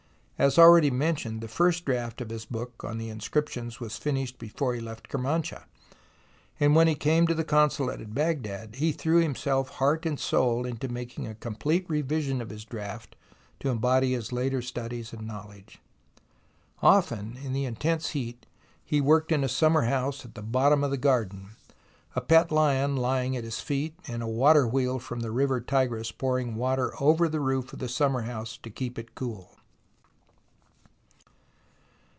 As already mentioned, the first draft of his book on the inscriptions was finished before he left Kermanshah ; and when he came to the consulate at Baghdad he threw himself heart and soul into making a complete revision of his draft to embody his later studies and knowledge. Often in the intense heat he worked in a summer house at the bottom of the garden, a pet lion lying at his feet, and a water wheel from the river Tigris pouring water over the roof of the summer house to keep it cool.